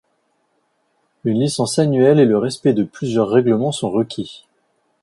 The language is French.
Une licence annuelle et le respect de plusieurs règlements sont requis.